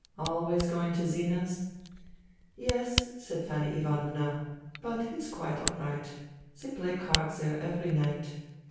" Always going to Zina's ?"" Yes," said Fanny Ivanovna. " But it's quite all right. They play cards there every night."